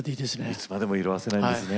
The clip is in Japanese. いつまでも色あせないんですね。